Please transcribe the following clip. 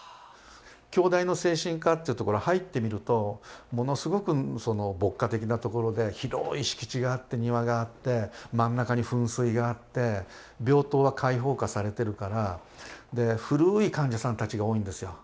京大の精神科っていうところ入ってみるとものすごく牧歌的なところで広い敷地があって庭があって真ん中に噴水があって病棟は開放化されてるからで古い患者さんたちが多いんですよ。